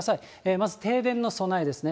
まず停電の備えですね。